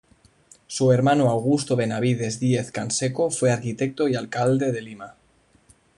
Su hermano Augusto Benavides Diez Canseco fue arquitecto y alcalde de Lima.